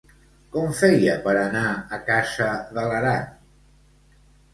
Com feia per anar a casa de l'Aran?